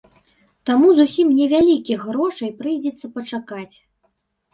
Таму зусім невялікіх грошай прыйдзецца пачакаць.